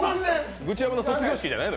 グチヤマの卒業式じゃないの？